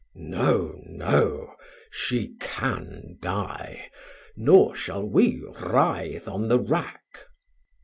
No, no; she can die, nor shall we writhe on the rack."